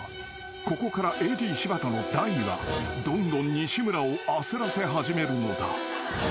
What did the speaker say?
［ここからＡＤ柴田の大はどんどん西村を焦らせ始めるのだ］